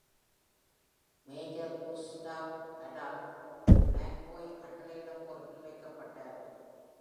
Major Gustav Adolf Planck போய் கட்டளையிடும் பொறுப்பில் வைக்கப்பட்டார்.